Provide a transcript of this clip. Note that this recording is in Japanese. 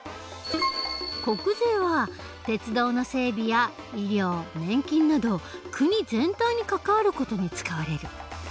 国税は鉄道の整備や医療年金など国全体に関わる事に使われる。